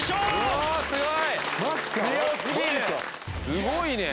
すごいね。